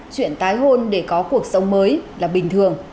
chuyện tái hôn để có cuộc sống mới là bình thường